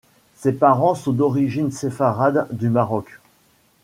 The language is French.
Ses parents sont d'origine séfarade du Maroc.